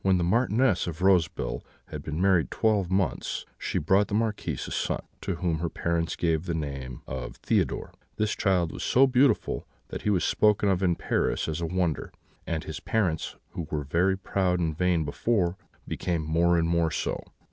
"When the Marchioness of Roseville had been married twelve months she brought the Marquis a son, to whom his parents gave the name of Theodore. This child was so beautiful that he was spoken of in Paris as a wonder, and his parents, who were very proud and vain before, became more and more so.